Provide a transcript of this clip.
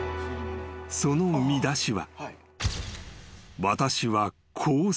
［その見出しは］